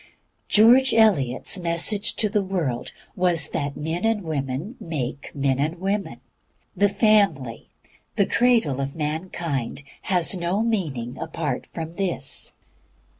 George Eliot's message to the world was that men and women make men and women. The Family, the cradle of mankind, has no meaning apart from this.